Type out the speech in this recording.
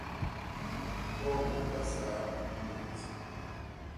Hop u basaa u nlet.